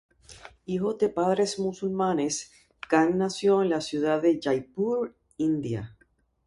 Hijo de padres musulmanes, Khan nació en la ciudad de Jaipur, India.